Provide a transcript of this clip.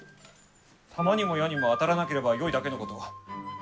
玉にも矢にも当たらなければよいだけのこと。